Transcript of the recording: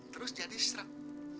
terus jadi sremp